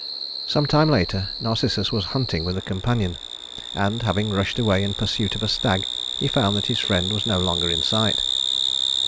Sometime later Narcissus was hunting with a companion, and, having rushed away in pursuit of a stag, he found that his friend was no longer in sight.